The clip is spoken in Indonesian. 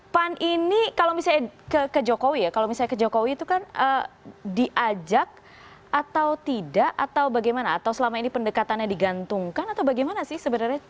pan ini kalau misalnya ke jokowi ya kalau misalnya ke jokowi itu kan diajak atau tidak atau bagaimana atau selama ini pendekatannya digantungkan atau bagaimana sih sebenarnya